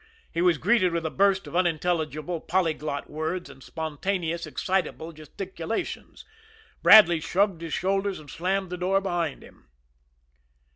He was greeted with a burst of unintelligible, polyglot words, and spontaneous, excitable gesticulations. Bradley shrugged his shoulders, and slammed the door behind him.